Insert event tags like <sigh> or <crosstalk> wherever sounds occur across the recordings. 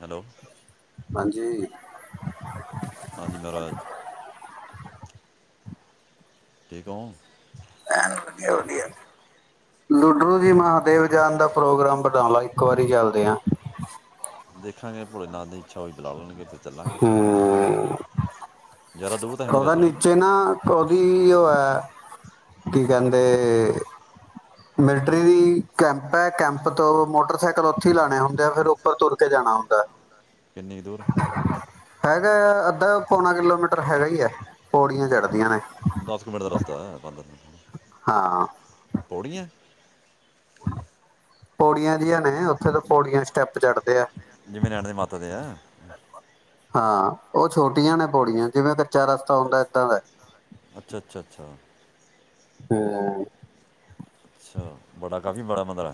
Hello ਹਾਂਜੀ ਹਾਂਜੀ ਮਹਾਰਾਜ ਕੀ ਕਹੋਗੇ ਐ ਵਧੀਆ ਵਧੀਆ ਲੁਡਰੂ ਜੀ ਮਹਾਦੇਵ ਜਾਾਨ ਦਾ ਪ੍ਰੋਗਰਾਮ ਵਧਾ ਲਾ ਇੱਕ ਵਾਰੀ ਚੱਲਦੇ ਹਾਂ ਦੇਖਾਂਗੇ ਭੋਲੇ ਨ ਦੀ ਇੱਛਾ ਹੋਈ ਬੁਲਾ ਲੈਣਗੇ ਫ ਚੱਲਾਂਗੇ ਉਹਦਾ ਨੀਚੇ ਨਾ ਉਹਦੀ ਉਹ ਹੈ ਕੀ ਕਹਿੰਦੇ ਮਿਲਟਰੀ ਦੀ ਕੈਂਪ ਹੈ ਕੈਂਪ ਤੋਂ ਮੋਟਰਸਾਈਕਲ ਉੱਥੇ ਲਾਉਣੇ ਹੁੰਦੇ ਆ ਫਿਰ ਉੱਪਰ ਤੁਰ ਕੇ ਜਾਣਾ ਹੁੰਦਾ ਕਿੰਨੀ ਕੁ ਦੂਰ ਹੈਗਾ ਅੱਧਾ ਪੌਣਾ ਕਿਲੋਮੀਟਰ ਹੈਗਾ ਹੀ ਹੈ ਪੌੜੀਆਂ ਚੜ੍ਹਦੀਆਂ ਨੇ ਹਾਂ ਪੌੜੀਆਂ ਦੀਆਂ ਉੱਥੇ ਤਾਂ ਪੌੜੀਆਂ ਸਟੈਪ ਚੜਦੇ ਆ ਹਾਂ ਉਹ ਛੋਟੀਆਂ ਨੇ ਪੌੜੀਆਂ ਜਿਵੇਂ ਕੱਚਾ ਰਸਤਾ ਹੁੰਦਾ ਏਦਾਂ ਦਾ ਅੱਛਾ ਅੱਛਾ ਅੱਛਾ ਹਮ ਅੱਛਾ ਬੜਾ ਕਾਫੀ ਬੜਾ ਮੰਦਿਰ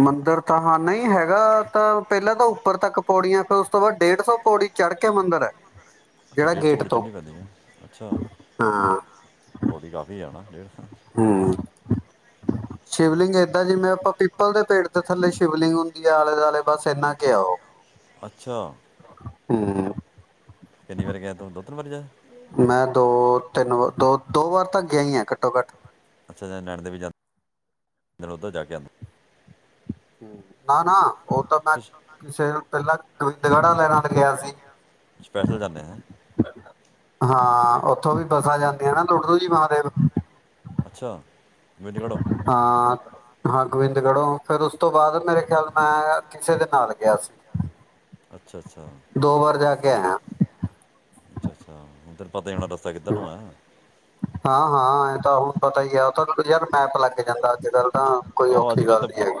ਮੰਦਰ ਤਾਂ ਹਾਂ ਨਹੀਂ ਹੈਗਾ ਤਾਂ ਪਹਿਲਾਂ ਤਾਂ ਉੱਪਰ ਤੱਕ ਪੌੜੀਆਂ ਫੇਿਰ ਉਸ ਤੋਂ ਬਾਅਦ ਡੇਢ ਸੌ ਪੌੜੀ ਚੜ੍ਹ ਕੇ ਮੰਦਿਰ ਹੈ ਅੱਛਾ ਡੇਢ ਸੌ ਪੌੜ ਚੜ੍ਹਨੀ ਪੈਂਦੀ ਹੈ ਅੱਛਾ ਪੌੜ ਕਾਫੀ ਹੈ ਨਾ ਅਤੇ ਹਮ ਸ਼ਿਵਲਿੰਗ ਏਦਾਂ ਜਿਵੇਂ ਆਪਾਂ ਪੀਪਲ ਦੇ ਪਿੰੜ ਦੇ ਥੱਲੇ ਸ਼ਿਵਲਿੰਗ ਹੁੰਦੀ ਆਲੇ ਦੁਆਲੇ ਬਸ ਇਨਾ ਕ ਆ ਉਹ ਅੱਛਾ ਕਿੰਨੀ ਵਾਰ ਗਿਆ ਤੂੰ ਦੋ ਤਿੰਨ ਵਾਰੀ ਜਾ ਮੈਂ ਦੋ ਤਿੰਨ ਵ ਦੋ ਦੋ ਵਾਰ ਤੱਕ ਗਿਆ ਹੀ ਆ ਘੱਟੋ ਘੱਟ ਨੈਣਾ ਦੇਵੀ ਦੇ ਵੀ ਜਾਂਦੇ ਦਿ ਉੱਧੋਂ ਜਾ ਕੇ ਆਉਂਦਾ ਹਮ ਨਾ ਨਾ ਉਹ ਤਾਂ, ਮੈਂ ਕਿਸੇ ਨੂੰ ਪਹਿਲਾਂ ਗੋਬਿੰਦਗੜ੍ਹਾ ਲੈਣਾ ਤੇ ਗਿਆ ਸੀ। ਸਪੈਸ਼ਲ ਜਾਂਨੇ ਹਾਂ। ਹਾਂ, ਉੱਥੋਂ ਵੀ ਬੱਸਾਂ ਜਾਂਦੀਆਂ ਨਾ ਲੁੱਡੂ ਜੀ ਮਹਾਦੇਵ ਅੱਛਾ। ਹਾਂ, ਹਾਂ, ਗੋਬਿੰਦਗੜ੍ਹੋਂ ਫਿਰ ਉਸ ਤੋਂ ਬਾਅਦ ਮੇਰੇ ਖਿਆਲ, ਮੈਂ ਕਿਸੇ ਦੇ ਨਾਲ ਗਿਆ ਸੀ। ਦੋ, ਵਾਰ ਜਾ ਕੇ ਆਇਆਂ। ਅੱਛਾ, ਅੱਛਾ, ਉਧਰ ਤਾਂ ਹਾਂ, ਹਾਂ। ਤਾਂ, ਹੁਣ ਪਤਾ ਹੀ ਹੈ, ਉਹ ਤਾਂ ਯਾਰ ਮੈਪ ਲੱਗ ਜਾਂਦਾ ਅੱਜ ਕੱਲ੍ਹ। ਹਾਂ, ਕੋਈ ਔਖੀ ਗੱਲ ਨਹੀਂ ਹੈਗੀ।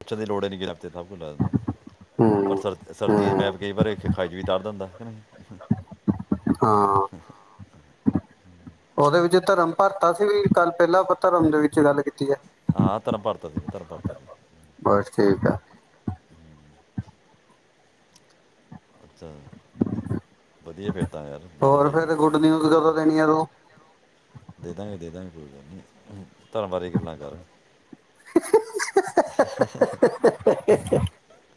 ਪੁੱਛਣ ਦੀ ਲੋੜ ਹੀ ਨੀ ਸਭ ਕੁਝ ਲੱਗ ਜਾਂਦਾ ਪਰ, ਸਰ- ਸਰਦੀਆਂ ਮੈਂ ਕਈ ਵਾਰੀ ਖਾਈ ਚ ਵੀ, ਤਾਰ ਦਿੰਦਾ। ਹਾਂ ਉਹਦੇ ਵਿੱਚ ਧਰਮ ਭਰਤਾ ਸੀ, ਵੀ ਕੱਲ ਪਹਿਲਾਂ ਆਪਾਂ ਧਰਮ ਦੇ ਵਿੱਚ ਗੱਲ ਕੀਤੀ। ਹਾਂ, ਧਰਮ ਭਾਰਤਾ ਸੀ। ਧਰਮ ਭ ਬਸ, ਠੀਕ ਆ। ਅੱਛਾ, ਵਧੀਆ ਫਿਰ ਤਾਂ ਯਾਰ ਜਾਣਾ ਚਾਹੀਦਾ ਇੱਕ ਵਾਰੀ, ਦੇ ਦਾਂਗੇ, ਦੇ ਦਾਂਗੇ ਪੂਰੀ ਗੱਲ। <unintelligible> ਧਰਮ ਬਾਰੇ ਗੱਲਾਂ ਕਰ, ਅੱਛਾ, ਅੱ <inaudible>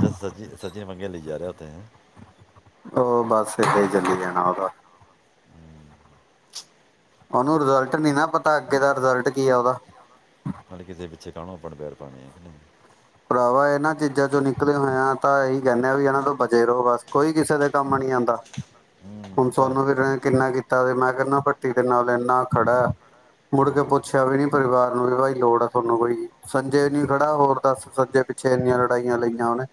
ਜਦ, ਸੱਜੀ, ਸੱਜੀ ਮੰਗੀ ਲਈ ਜਾ ਰਿਹਾ। ਅਤੇ, ਉਹ, ਬਸ ਏਦਾ ਹੀ ਚਲੀ ਜਾਣਾ, ਉਹਦਾ। ਓਨੂੰ ਰਿਜਲਟ ਨੀ, ਨਾ ਪਤਾ, ਅੱਗੇ ਦਾ ਰਿਜਲਟ ਕੀ, ਆ ਉਹਦਾ। ਨਾਲੇ ਕਿਸੇ ਪਿੱਛੇ ਕਾਹਣੋ, ਆਪਣੇ ਵੈਰ ਪਾਉਣੇ ਆ। ਭਰਾਵਾ ਇਹਨਾਂ ਚੀਜ਼ਾਂ ਚੋਂ ਨਿਕਲੇ ਹੋਏਆ ਤਾਂ, ਇਹੀ ਕਹਿੰਦੇ ਆ, ਵੀ ਇਹਨਾਂ ਤੋਂ ਬਚੇ ਰਹੋ ਬਸ ਕੋਈ ਕਿਸੇ ਦੇ ਕੰਮ ਨਹੀ ਆਉਂਦਾ। ਹੁਣ, ਤੁਹਾਨੂੰ ਫਿਰ, ਕਿੰਨਾ ਤਾ, ਤੇ, ਮੈਂ ਕਹਿੰਦਾ ਪੱਟੀ ਦੇ ਨਾਲ ਇੰਨਾ ਖੜਾ ਮੁੜ ਕੇ, ਪੁੱਛਿਆ ਵੀ, ਨੀ ਪਰਿਵਾਰ ਵੀ, ਬਾਈ ਲੋੜ ਹੈ, ਤੁਹਾਨੂੰ ਕੋਈ ਸੰਜੇ ਨੀ ਖੜਾ ਹੋਰ ਬਸ ਸੰਜੇ ਪਿੱਛੇ ਇੰਨੀਆਂ ਲੜਾਈਆਂ ਲਈਆਂ ਉਹਨੇ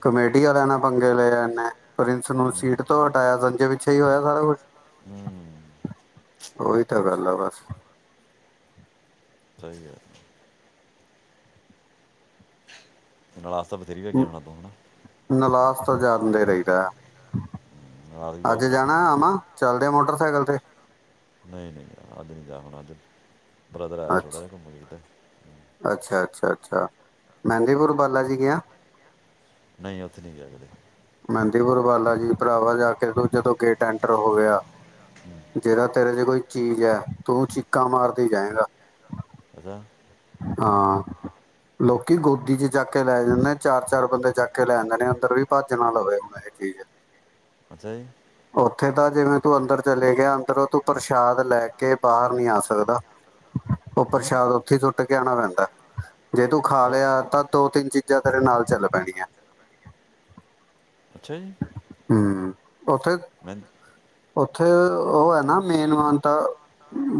ਕਮੇਟੀ ਆਲਿਆਂ ਨਾਲ ਪੰਗੇ ਲਏ ਇਹਨੇ, ਪ੍ਰਿੰਸ ਨੂੰ ਸੀਟ ਤੋਂ ਹਟਾਇਆ ਸੰਜੇ ਪਿੱਛੇ ਹੀ ਹੋਇਆ ਸਾਰਾ ਕੁਛ ਉਹੀ ਤਾਂ ਗੱਲ ਆ ਬਸ। <unintelligible> <unintelligible> ਤਾਂ ਜਾਂਦੇ ਰਹੀਦਾ। ਅੱਜ ਜਾਣਾ ਆਵਾਂ? ਚੱਲਦੇ ਆ ਮੋਟਰਸਾਈਕਲ ਏ ਨਹੀਂ-ਨਹੀਂ ਅੱਜ ਨਹੀਂ ਜਾ ਹੋਣਾ ਅੱਜ ਬ੍ਰਦਰ ਆਇਆ ਛੋਟਾ ਜਿਹਾ ਘੁੰਮਣ ਕਿਤੇ। ਅੱਛਾ-ਅੱਛਾ, ਅੱਛਾ ਮਹਿੰਦੀਪੁਰ ਬਾਲਾ ਜੀ ਗਿਆ? ਨਹੀਂ, ਉੱਥੇ ਨੀ ਗਿਆ ਕਦੇ। ਮਹਿੰਦੀਪੁਰ ਬਾਲਾ ਜੀ, ਭਰਾਵਾਂ ਜਾ ਕੇ ਜਦੋਂ ਗੇਟ ਐਂਟਰ ਹੋਇਆ ਜੇਹਰਾ ਤੇਰੇ ਤੇ ਕੋਈ ਚੀਜ਼ ਹੈ, ਤੂੰ ਚੀਕਾਂ ਮਾਰਦੇ ਈ ਜਾਏਂਗਾ। <unintelligible> ਹਾਂ ਲੋਕੀ ਗੋਦੀ ਚ ਚੱਕ ਕੇ ਲੈ ਜਾਂਦੇ ਨੇ ਚਾਰ-ਚਾਰ ਬੰਦੇ ਚੱਕ ਕੇ ਲੈ ਜਾਂਦੇ ਨੇ ਅੰਦਰ ਵੀ ਭੱਜ ਨਾ ਲਵੇ ਹੁਣ ਇਹ ਚੀਜ਼। ਅੱਛਾ ਜੀ। ਉੱਥੇ ਤਾਂ ਜਿਵੇਂ ਤੂੰ ਅੰਦਰ ਚਲੇ ਗਿਆ ਅੰਦਰੋਂ ਤੂੰ ਪ੍ਰਸ਼ਾਦ ਲੈ ਕੇ ਬਾਹਰ ਨੀ ਆ ਸਕਦਾ। ਉਹ ਪ੍ਰਸ਼ਾਦ ਉੱਥੇ ਹੀ ਸੁੱਟ ਕੇ ਆਉਣਾ ਪੈਂਦਾ ਜੇ ਤੂੰ ਖਾ ਲਿਆ ਤਾਂ ਦੋ-ਤਿੰਨ ਚੀਜ਼ਾਂ ਤੇਰੇ ਨਾਲ ਚੱਲ ਪੈਣੀਆਂ। ਅੱਛਾ ਜੀ। ਹਮ ਉੱਥੇ-ਉੱਥੇ ਉਹ ਹੈ ਨਾ ਮੇਨ ਮਾਨਤਾ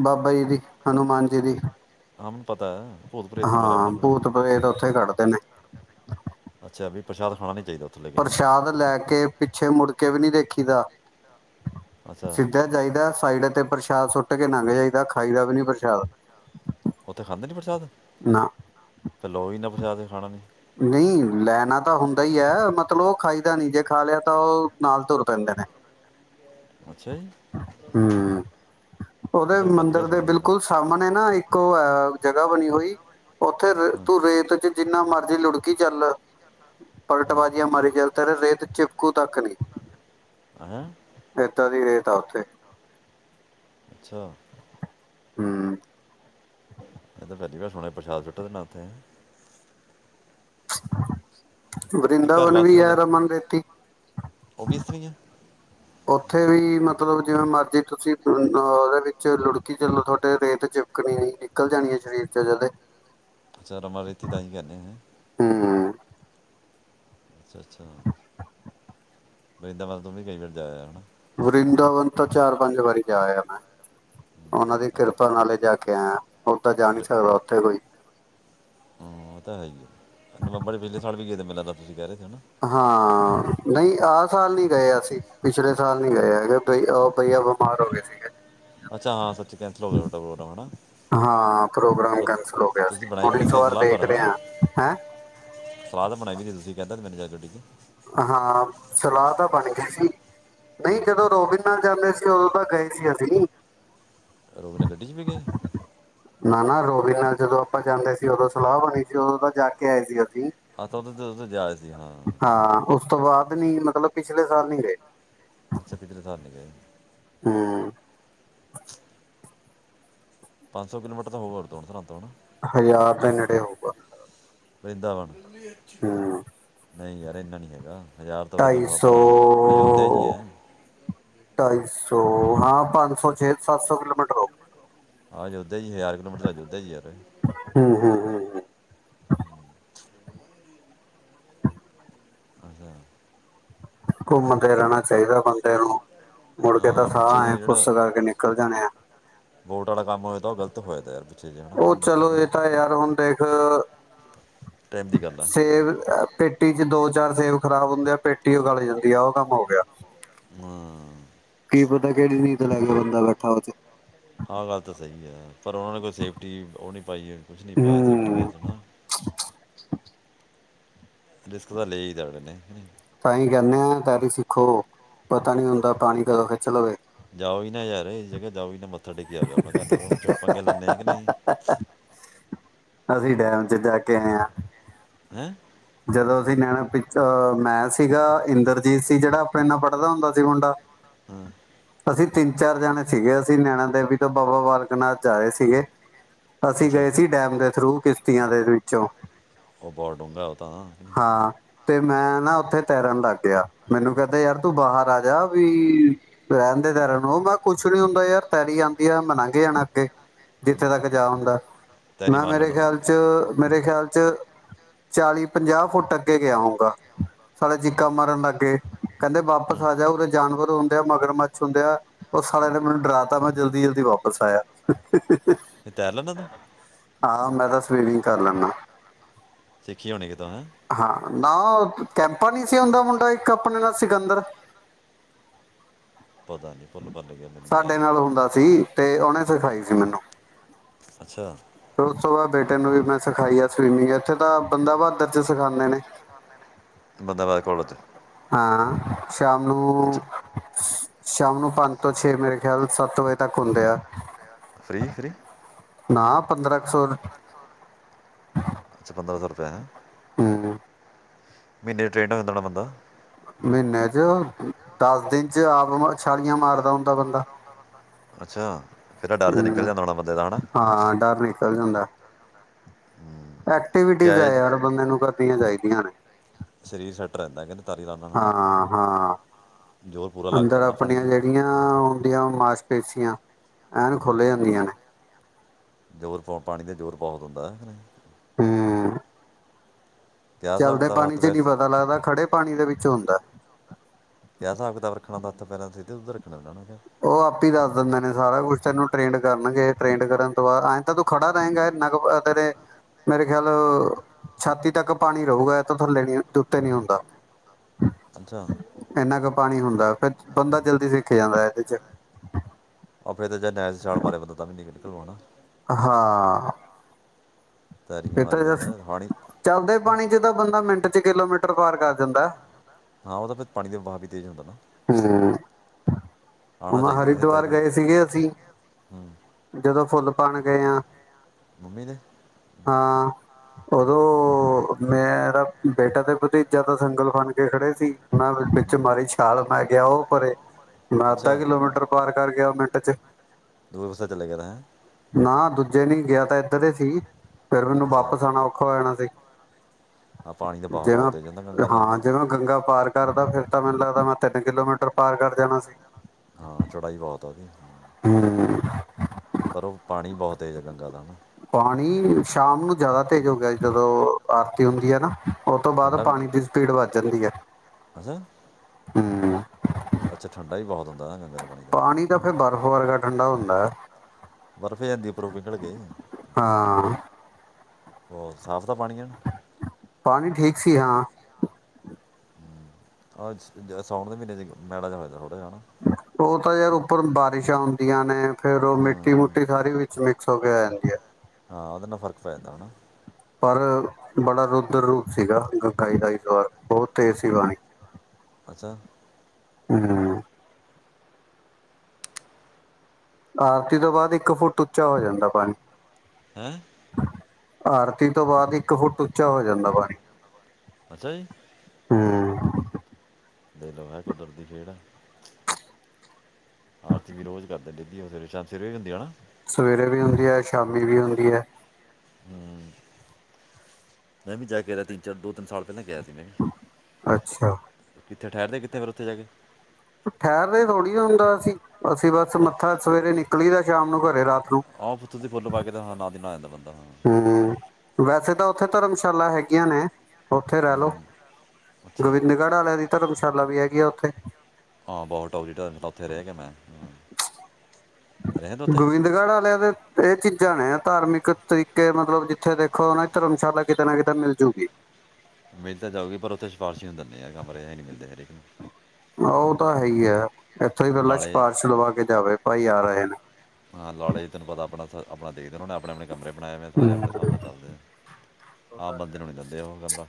ਬਾਬਾ ਜੀ ਦੀ, ਹਨੂੰਮਾਨ ਜੀ ਦੀ। ਹਮ ਹਾਂ ਭੂਤ ਪ੍ਰੇਤ ਉੱਥੇ ਕੱਢ ਤਨੇ ਅੱਛਾ ਵੀ ਪ੍ਰਸ਼ਾਦ ਖਾਣਾ ਨੀ ਪ੍ਰਸ਼ਾਦ ਲੈ ਕੇ ਪਿੱਛੇ ਮੁੜ ਕੇ ਵੀ ਨੀ ਦੇਖੀਦਾ। ਸਿੱਧਾ ਜਾਈਦਾ ਸਾਈਡ ਤੇ ਪ੍ਰਸ਼ਾਦ ਸੁੱਟ ਕੇ ਲੰਘ ਜਾਈਦਾ ਖਾਈਦਾ ਵੀ ਨੀ ਪ੍ਰਸ਼ਾਦ। ਉੱਥੇ ਖਾਂਦੇ ਨੀ ਪ੍ਰਸ਼ਾਦ? ਤੇ ਲੋ ਹੀ ਨਾ ਜਾ ਤੇ ਖਾਣਾ ਨੀ। ਨਹੀਂ ਲੈਣਾ ਤਾਂ ਹੁੰਦਾ ਹੀ ਹੈ, ਮਤਲਬ ਉਹ ਖਾਈਦਾ ਨੀ ਜੇ ਖਾ ਲਿਆ ਤਾਂ ਉਹ ਨਾਲ ਤੁਰ ਪੈਂਦੇ ਨੇ। ਹਮ ਉਹਦੇ ਮੰਦਿਰ ਦੇ ਬਿਲਕੁਲ ਸਾਹਮਣੇ ਨਾ ਇੱਕ ਉਹ ਹੈ ਜੱਗਾ ਬਣੀ ਹੋਈ ਉੱਥੇ ਰ ਤੂੰ ਰੇਤ ਚ ਜਿੰਨਾ ਮਰ ਜੀ ਲੁੜਕੀ ਚੱਲ ਪਲਟਬਾਜੀਆਂ ਮਾਰੀ ਚੱਲ। <unintelligible> ਚਿਪਕੂ ਤੱਕ ਨੀ। ਇਤਾ ਦੀ ਰੇਤ ਆਂ ਉਥੇ। ਦ। ਹੁੰ। ਜ ਸੁਣਾ ਪ੍ਰਸ਼ਾਦ ਸੁੱਟੇ ਦੇਨਾ ਉੱਥੇ। ਵਰਿੰਦਾਵਨ ਵੀ ਐ ਰਮਨ ਰੇਤੀ। ਔਥੇ ਵੀ ਮਤਲਬ ਜਿਵੇਂ ਮਰਜੀ ਤੁਸੀਂ ਅ ਔਦੇ ਵਿੱਚ ਲੁੜਕੀ ਚਲੋ ਤੁਹਾਡੇ ਰੇਤ ਚਿਪਕਣੀ ਐ ਜੀ, ਨਿਕਲ ਜਾਨੀ ਏ ਸਰੀਰ ਚ ਜਦੇ। ਸੈ਼ਰੋ ਮਾ ਰੇਤੀ ਤਾਂਈ ਕੈਣੈ ਐ। ਅੱਛਾ, ਅੱਛਾ, ਵਰਿੰਦਾਵਨ ਤੂੰ ਵੀ ਕਈ ਵਾਰ ਜਾ ਆਇਆ ਨਾ। ਵਰਿੰਦਾਵਨ ਤੋਂ ਚਾਰ ਪੰਜ ਵਾਰੀ ਜਾ ਆਯਾ ਮੈਂ। ਔਨਾਂ ਦੀ ਕਿਰਪਾ ਨਾਲੇ ਜਾ ਕੇ ਆਯਾ, ਹੁਣ ਤਾਂ ਜਾ ਨੀ ਸਕਦਾ ਔਥੇ ਕੋਈ। ਨਵੰਬਰ ਪਿਛਲੇ ਸਾਲ ਵੀ ਗੇ ਥੇ, ਮੈਨੂੰ ਲਗਦਾ ਤੁਸੀਂ ਕੈ ਰੇ ਹਾਂ। ਨਹੀਂ ਆਹ ਸਾਲ ਨੀ ਗਏ ਅਸੀਂ, ਪਿਛਲੇ ਸਾਲ ਨੀ ਗਏ ਹੈਗੇ ਬਈ ਔ ਬਈਆ ਬਿਮਾਰ ਹੋ ਗਏ ਸੀਗੇ। ਹਾਂ, ਪ੍ਰੋਗਰਾਮ ਕੈਂਸਲ ਹੋ ਗਿਆ ਸੀ ਹੁਣ ਇਸ ਵਾਰ ਦੇਖ ਰੇ ਆਂ, ਹੈਂ। ਸਲਾਹ ਤਾਂ ਬਣਾਈ ਵੀਦੀ ਤੁਸੀਂ ਕੈੰਦੇ ਤਾਂ ਮੈਨੂੰ ਜਾਂ ਗਡੀ ਤੋ ਹਾਂ, ਸਲਾਹ ਤਾਂ ਬਣ ਗਈ ਸੀ, ਨਈ ਜਦੋਂ ਰੋਬਿੰਨ ਨਾਲ ਜਾਂਦੇ ਸੀ ਓਦੋਂ ਤਾਂ ਗਏ ਸੀ ਅਸੀਂ। ਰੋਵੀਨ ਨਾ ਗੱਡੀ ਚ ਵੀ ਗਏ? ਨਾ, ਨਾ ਰੋਵੀਨ ਨਾਲ ਜਦੋਂ ਅਪਾਂ ਜਾਂਦੇ ਸੀ ਔਦੋਂ ਸਲਾਹ ਬਣੀ ਸੀ ਔਦੋਂ ਤਾਂ ਜਾ ਕੇ ਆਏ ਸੀ ਅ ਆ ਤਾ ਤੇ ਤਦੋਂ ਤੇ ਜਾ ਆਏ ਸੀ, ਹਾਂ। ਔਸ ਤੋਂ ਬਾਦ ਨੀ ਮਤਲਬ ਪਿਛਲੇ ਸਾਲ ਨੀ ਗਏ। ਅੱਛਾ, ਪਿਛਲੇ ਸਾਲ ਨੀ ਗਏ। ਪੰਜ ਸੌ ਕਿਲੋਮੀਟਰ ਤਾਂ ਹੋਉ ਘਟ ਤੋਂ ਘਟ ਤੁਰਨ ਤੋਂ ਹੈਨਾ। ਹਜਾਰ ਦੇ ਨੇੜੇ ਹੋਉਗਾ। ਵਰਿੰਦਾਵਨ। ਨਹੀਂ ਯਾਰ ਐਨਾ ਨੀ ਹੈਗਾ, ਹਜ਼ਾਰ ਤੋਰੇ ਤੋਂ ਉ ਆਪਣਾ ਅਯੋਧਿਆ ਈ ਏ। ਓ, ਹਾਂ, ਪੰਜ ਸੌ ਛੇ ਸੱਤ ਸੌ ਕਿਲੋਮੀਟਰ ਹੋਉ। ਹਾਂ ਜਦ ਤੇਈ ਹਜ਼ਾਰ ਕਿਲੋਮੀਟਰ ਦਾ ਜੋਧੀਐ ਈ ਯਾਰ ਅੱਛਾ। ਘੁੰਮਦੇ ਰੈਨਾ ਚਾਈਦਾਏ ਬੰਦੇ ਨੂੰ। ਮੁੜ ਕੇ ਤਾਂ ਸਾਹ ਐਂ ਖੁੱਸ ਕਰਕੇ ਨਿਕਲ ਜਾਨੇ ਆ, ਔ ਚਲੋ ਏਹ ਤਾਂ ਯਾਰ ਹੁਨ ਦੇਖ ਸੇਬ ਅ ਪੇਟੀ ਚ ਦੋ ਚਾਰ ਸੇਬ ਖ਼ਰਾਬ ਹੁੰਦੇ ਆ ਪੇਟੀ ਓ ਗਲ ਜਾਂਦੀ ਆ ਓਹ ਕੰਮ ਹੋ ਗਿਆ। ਹੂੰਆ। ਕੀ ਪਤਾ ਕੇੜੀ ਨੀਤ ਲੇ ਕੇ ਬੰਦਾ ਬੈਠਾ ਫ ਚ। ਹਾਂ ਗੱਲ ਤਾਂ ਸਹੀ ਐ। ਪਰ ਔਨਾਂ ਨੇ ਕੋਈ ਸੇਫਟੀ, ਔਨ੍ਹੀਂ ਪਾਈ ਯਰ ਕੁਛ ਨੀ ਪਾਯਾ ਸੇਫਟੀ ਵਾਸਤੇ ਨਾ। ਰਿਸਕ ਤਾਂ ਲੇ ਈ ਜਾੜੇ ਨੇ। ਤਾਂਹੀ ਕਹਿੰਦੇ ਹਾਂ ਤੇੈਰੀ ਸਿੱਖੋ ਪਤਾ ਨਹੀਂ ਹੁੰਦਾ ਪਾਣੀ ਕਦੋਂ ਖਿੱਚ ਲਵੇ ਯਾਰ ਇਹ ਜਗਾ ਜਾਓ ਵੀ ਨਾ ਦੇਖ ਕੇ ਆ ਜਾ ਮੈ ਕਿਹਾ ਕਿਉਂ ਚ ਪ ਪੰਗੇ ਲੈਂਨੇ ਹਾਂ ਕਿ ਨਹੀਂ ਅਸੀਂ ਡੈਮ ਚ ਜਾ ਕੇ ਆਏ ਹਾਂ ਹੈਂ ਜਦੋਂ ਅਸੀਂ ਜਾਣਾ ਪਿਕਚਰ, ਮੈਂ ਸੀਗਾ ਇੰਦਰਜੀਤ ਸੀ ਜਿਹੜਾ ਆਪਣੇ ਨਾਲ ਪੜ੍ਹਦਾ ਹੁੰਦਾ ਸੀ ਮੁੰਡਾ ਹਮ ਅਸੀਂ ਤਿੰਨ ਚਾਰ ਜਾਣੇ ਸੀਗੇ ਅਸੀਂ ਨੈਣਾ ਦੇਵੀ ਤੋਂ ਬਾਬਾ ਬਾਲਕ ਨਾਥ ਜਾ ਰਹੇ ਸੀਗੇ ਅਸੀਂ ਗਏ ਸੀ ਡੈਮ ਦੇ ਥਰੂ ਕਿਸ਼ਤੀਆਂ ਦੇ ਵਿੱਚ ੱਚ ਹੋ ਬਰ ਹਾਂ ਤੇ ਮੈਂ ਨਾ ਉੱਥੇ ਤੈਰਨ ਲੱਗ ਗਿਆ। ਮੈਨੂੰ ਕਹਿੰਦਾ ਯਾਰ ਤੂੰ ਬਾਹਰ ਆ ਜਾ ਵੀ ਰਹਿੰਣ ਦੇ ਤੈਰਨ ਨੂੰ, ਮੈਂ ਕੁੱਛ ਨੀ ਹੁੰਦਾ ਯਾਰ ਤੈਰੀ ਆਉਂਦੀ ਆ ਮੈ ਲਂਗ ਕੇ ਜਾਣਾ ਅੱਗੇ। ਜਿੱਥੇ ਤੱਕ ਜਾ ਹੁੰਦਾ ਮੈਂ ਮੇਰੇ ਖਿਆਲ ਚ ਮੇਰੇ ਖਿਆਲ ਚ ਅਤੇ ਚਾਲੀ ਪੰਜਾਹ ਫੁੱਟ ਅੱਗੇ ਗਿਆ ਹੋਊਗਾ ਸਾਡੇ ਚੀਕਾ ਮਾਰਨ ਲੱਗ ਗਏ ਕਹਿੰਦੇ ਵਾਪਸ ਆ ਜਾ ਉਦੇ ਜਾਨਵਰ ਹੁੰਦੇ ਆ ਮਗਰ ਮੱਛ ਹੁੰਦੇ ਆ ਉਹ ਸਾਲਿਆਂ ਨੇ ਮੈਨੂੰ ਡਰਾ ਤਾ ਮੈਂ ਜਲਦੀ ਜਲਦੀ ਵਾਪਿਸ ਆਇਆ। ਹਾਂ ਮੈਂ ਤਾਂ ਸਵੀਮਿੰਗ ਕਰ ਲੈਂਨਾ। ਕਊ ਨਈ ਹਾਂ ਨਾ ਉਹ ਕੈਂਪਾ ਨਹੀਂੀ ਸੀ ਹੁਦਾ ਮੁੰਡਾ ਇੱਕ ਆਪਣੇ ਨਾਲ ਸਿਕੰਦਰ ਸਾਡੇ ਨਾਲ ਹੁੰਦਾ ਸੀ ਤੇ ਉਹਨੇ ਸਿਖਾਈ ਸੀ ਮੈਨੂੰ ਤੇ ਉਸ ਤੋਂ ਬਾਅਦ ਬੇ ਨੂੰ ਵੀ ਮੈਂ ਸਿਖਾਈ ਆ ਸਵੀਮਿੰਗ ਇੱਥੇ ਤਾਂ ਬੰਦਾ ਬਹਾਦਰ ਸਿਖਾਉਦੇ ਨੇ ਬੰਦਾ ਵੈ ਕੋਲਜ ਦੇ ਸ਼ਾਮ ਨੂੰ ਸ਼ਾਮ ਨੂੰ ਪੰਜ ਤੋਂ ਛੇ ਮੇਰੇ ਖਿਆਲ ਸੱਤ ਵਜੇ ਤੱਕ ਹੁੰਦੇ ਆ ਫ੍ਰੀ ਫ੍ਰੀ <unintelligible> ਹਾਂ ਪੰਦਰਾਂ ਕ ਸੌ ਹਮ ਮਹੀਨੇ ਟ੍ਰੇਨਰ ਦੇਣਾ ਪੈਂਦਾ ਹੈ ਮਹੀਨੇ ਚ ਦਸ ਦਿਨ ਚ ਆਪ ਛਾਲੀਆਂ ਮਾਰਦਾ ਹੁੰਦਾ ਬੰਦਾ। ਹਮ ਹਾਂ ਡਰ ਨਿਕਲ ਜਾਂਦਾ ਏ। ਐਕਟੀਵਿਟੀਜ਼ ਹੈ ਯਾਰ ਬੰਦੇ ਨੂੰ ਕਰਨੀਆਂ ਚਾਹੀਦੀਆਂ <unintelligible> ਸਰੀਰ ਫਿੱਟ ਰਹਿੰਦਾ ਕਹਿੰਦੇ ਹਾਂ ਹਾਂ ਅੰਦਰ ਆਪਣੀਆਂ ਜਿਹੜੀਆਂ ਹੁੰਦੀਆਂ ਮਾਸਕ ਪੇਸੀਆਂ ਐਨ ਖੋਲ੍ਹ ਜਾਂਦੀਆਂ ਨੇ ਜ਼ੋਰ ਪਾ ਪਾਣੀ ਦਾ ਜ਼ੋਰ ਬਹੁਤ ਹੁੰਦਾ ਹੈ ਹਮ ਚੱਲਦੇ ਪਾਣੀ ਚ ਨਹੀਂ ਪਤਾ ਲੱਗਦਾ ਖੜੇ ਪਾਣੀ ਦੇ ਵਿੱਚ ਹੁੰਦਾ ਕ ਹਿਸਾਬ ਕਿਤਾਬ ਰੱਖਣਾ ਦਾ ਹੱਥ ਪੈਰ ਸੀ ਉੱਧਰ ਰੱਖਣੇ ਉਹਨਾਂ ਨੇ ਉਹ ਆਪੇ ਦੱਸ ਦਿੰਦੇ ਨੇ ਸਾਰਾ ਕੁਛ ਤੈਨੂੰ ਟ੍ਰੇਡ ਕਰਨਗੇ ਟਰੇੇਡ ਕਰਨ ਤੋਂ ਬਾਅਦ ਐਂ ਤਾਂ ਤੂੰ ਖੜਾ ਰਹਗਾ ਇੰਨਾ ਕੁ ਤੇਰੇ ਮੇਰੇ ਖਿਆਲ ਛਾਤੀ ਤੱਕ ਪਾਣੀ ਰਹੂਗਾ ਇਹ ਤ ਥੱਲੇ ਨੀ ਉੱਤੇ ਨੀ ਹੁੰਦਾ ਇੰਨਾ ਕੁ ਪਾਣੀ ਹੁੰਦਾ ਫਿਰ ਬੰਦਾ ਜਲਦੀ ਸਿੱਖ ਜਾਂਦਾ ਚ ਫਿਰ ਤਾਂ ਜਾ ਨੈ ਛਾਲ ਮਾਰੇ ਬੰਦਾ ਤਾਂ ਵੀ ਨਿਕਲੇ ਚਲਵਾਉਣਾ ਹਾਂ ਇਹ ਤਾਂ ਚੱਲਦੇ ਪਾਣੀ ਚ ਤਾਂ ਬੰਦਾ ਮਿੰਟ ਕਿਲੋਮੀਟਰ ਪਾਰ ਕਰ ਦਿੰਦਾ ਹਾਂ ਉਹ ਤਾਂ ਫਿਰ ਪਾਣੀ ਦਾ ਵਾਹ ਵੀ ਤੇਜ਼ ਹੁੰਦਾ ਨਾ ਹਮ ਉਹਾ ਹਰਿਦੁਵਰ ਗਏ ਸੀਗੇ ਅਸੀਂ ਜਦੋਂ ਫੁੱਲ ਬਣ ਗਏ ਆ ਮੰਮੀ ਦੇ ਉਦੋਂ ਮੇਰਾ ਬੇਟਾ ਤੇ ਭਤੀਜਾ ਤਾਂ ਸੰਗਲ ਫਨ ਕੇ ਖੜੇ ਸੀ ਉਹ ਵਿੱਚ ਮਾਰੀ ਛਾਲ ਮੈ ਗਿਆ ਉਹ ਪਰਰੇ ਨਾ ਅੱਧ ਕਿਲੋਮੀਟਰ ਪਾਰ ਕਰ ਗਿਆ ਮੈਂ ਅੱਛਾ ਦੂਆ ਪਸਾ ਚੱਲ ਗਿਆਦਾ ਹੈ ਜੇ ਨਹੀਂ ਗਿਆ ਤਾਂ ਇੱਧਰ ਸੀ ਫੇਰ ਮੈਨੂੰ ਵਾਪਸ ਆਉਨਾ ਔਖਾ ਹੋ ਜਾਣਾ ਸੀ ਜਿਵੇਂ ਹਾਂ ਜਿਵੇਂ ਗੰਗਾ ਪਾਰ ਕਰਦਾ ਫਿਰ ਤਾਂ ਮੈਨੂੰ ਲੱਗਦਾ ਮੈਂ ਤਿੰਨ ਕਿਲੋਮੀਟਰ ਪਾਰ ਕਰ ਜਾਣਾ ਸੀ ਹਾਂ ਚੌੜਾਈ ਬਹੁਤ ਆ ਪਰ ਉਹ ਪਾਣੀ ਬਹੁਤ ਤੇਜ਼ਜ ਗੰਗਾ ਲਣਾ ਪਾਣੀ ਸ਼ਾਮ ਨੂੰ ਜਿਆਦਾ ਤੇਜ਼ ਹੋ ਗਿਆ ਜਦੋਂ ਆਰਤੀ ਹੁੰਦੀ ਹੈ ਨਾ ਉਹ ਤੋਂ ਬਾਅਦ ਪਾਣੀ ਦੀ ਸਪੀਡ ਵੱਧ ਜਾਂਦੀ ਹੈ ਹਮ <inaudible> ਪਾਣੀ ਤਾਂ ਫੇਿਰ ਬਰਫ਼ ਵਰਗਾ ਠੰਡਾ ਹੁੰਦਾ। ਹਾ ਬਰਫ਼ ਜਾਂਦੀ ਉਪਰੋਂ ਪਿੰਘਲ ਕੇ ਹੋ ਸਾਫ਼ ਪਤਾ ਪਾਣੀਆਂ ਸੀ ਹਾਂ। ਆਹ ਸਾਉਣ ਦੇ ਮਹੀਨੇ 'ਚ ਮੈਲਾ ਜਾ ਹੋਇਆ ਪੇ ਉਹ ਤਾਂ ਯਾਰ ਉੱਪਰ ਬਾਰਿਸ਼ਾਂ ਹੁੰਦੀਆਂ ਨੇ ਫੇਰ ਉਹ ਮਿੱਟੀ ਮਟੀ ਸਾਰੀ ਵਿੱਚ ਮ <unintelligible> ਹਾਂ। ਉਹਦੇ ਨਾਲ ਫ਼ਰਕ ਪੈ ਜਾਂਦਾ ਹਨਾ। ਪਰ ਬੜਾ ਰੁਦਰ ਰੂਪ ਸੀਗਾ ਗੰਗਾਈ ਦਾ ਇਸ ਸਵਾਰ ਬਹੁਤ ਤੇਜ਼ ਸੀ ਪਾਣੀ। ਅੱਛਾ। ਆਰਤੀ ਤੋਂ ਬਾਅਦ ਇੱਕ ਫੁੱਟ ਉੱਚਾ ਹੋ ਜਾਂਦਾ ਪਾਣੀ। ਹੈਂ ਆਰਤੀ ਤੋਂ ਬਾਅਦ ਇੱਕ ਫੁੱਟ ਉੱਚਾ ਹੋ ਜਾਂਦਾ ਪਾਣੀ ਅਛਾ ਜੀ ਦਿਖ ਲੈ ਕੁਦਰਤੀ ਖੇਡ ਆਰਤੀ ਵੀ ਰੋਜ਼ ਕਰਦੇ ਡਧੀ ਉਹ ਫਿਰ ਸਿਰ ਹੁੰਦੀ ਹਨਾ। ਸਵੇਰੇ ਵੀ ਹੁੰਦੀ ਹੈ ਸ਼ਾਮੀ ਵੀ ਹੁੰਦੀ ਹੈ। ਹੂੰ ਮੈਂ ਵੀ ਜਾ ਕਹਿ ਆਯਾ ਚਾਰ ਦੋ ਤਿੰਨ ਸਾਲ ਪਹਿਲਾਂ ਗਿਆ ਸੀ। ਅੱਛਾ ਕਿੱਥੇ ਠਹਿਰਦੇ ਕਿੱਥੇ ਫਿਰ ਉ ਠਹਿਰਦੇ ਥੋੜ੍ਹੀ ਹੁੰਨ ਅਸੀ ਅਸੀਂ ਬਸ ਮੱਥਾ ਸਵੇਰੇ ਨਿਕਲੀ ਦਾ ਸ਼ਾਮ ਨੂੰ ਘਰੇ ਰਾਤ ਆਹ ਪੁੱਥੇ ਦੀ ਫੁੱਲ ਪਾ ਕੇ ਤੇ ਨਾ ਦੀ ਨਾਲ ਆ ਜਾਂਦਾ। ਬੰਦਾ ਹੂੰ ਵੈਸੇ ਤਾਂ ਉੱਥੇ ਧਰਮਸ਼ਾਲਾ ਹੈਗੀਆਂ ਨੇ ਉੱਥੇ ਰਹਿ ਲੋੋ ਗੋਬਿੰਦਗੜ੍ਹ ਵਾਲਿਆਂ ਦੀ ਧਰਮ ਸ਼ਾਲਾ ਵੀ ਹੈਗੀ ਆ ਉੱਥੇ ਹਾਂ ਬਹੁਤਟ ਉੱਥੇ ਰਹਿ ਗਿਆ ਮੈਂ ਗੋਬਿੰਦਗੜ੍ਹ ਵਾਲਿਆਂ ਦੇ ਇਹ 'ਚ ਜਾਣੇ ਆ ਧਾਰਮਿਕ ਤਰੀਕੇ ਮਤਲਬ ਜਿੱਥੇ ਦੇਖੋ ਉਹ ਦੀ ਧਰਮਸ਼ਾਲਾ ਕਿਤੇ ਨਾ ਕਿਤੇ ਮਿਲਜੂਗੀ ਮਿਲ ਤਾਂ ਜਾਊਗੀ ਪਰ ਉੱਥੇ ਸਿਫਾਰਸ਼ੀ ਨੂੰ ਦਿੰਦੇ ਆ ਕਮਰੇ ਇਹ ਨਹੀਂ ਮਿਲਦੇ ਹਰੇਕ ਨੂੰ ਉਹ ਤਾਂ ਹੈ ਹੀ ਐ ਇੱਥੋਂ ਹੀ ਪਹਿਲਾਂ ਸ਼ਪਾਰਸ ਲਵਾ ਕੇ ਜਾਵੇ ਭਾਈ ਆ ਰਹੇ ਹਾਂ ਲਾਲੇ ਤੈਨੂੰ ਪਤਾ ਆਪਣਾ- ਆਪਣਾ ਦੇਖਦੇ ਨੇ, ਉਹਨੇ ਆਪਣੇ- ਆਪਣੇ ਕਮਰੇ ਬਣਾਏ ਮੈਂ ਸਾਰੇ ਆਪਣੇ ਹਿਸਾਬ ਨਾਲ ਚੱਲਦੇ ਨੇ, ਆਮ ਬੰਦੇ ਨੂੰ ਨਹੀਂ ਦਿੰਦੇ ਉਹ ਕਮਰਾ